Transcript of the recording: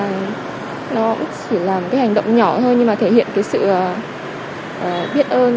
và nó cũng chỉ là một cái hành động nhỏ thôi nhưng mà thể hiện cái sự biết ơn